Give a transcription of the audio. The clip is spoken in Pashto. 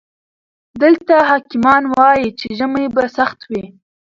دلته حکيمان وايي چې ژمی به سخت وي.